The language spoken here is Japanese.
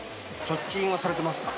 貯金はされてますか？